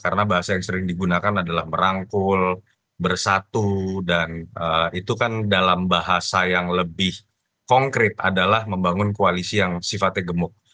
karena bahasa yang sering digunakan adalah merangkul bersatu dan itu kan dalam bahasa yang lebih konkret adalah membangun koalisi yang sifatnya gemuk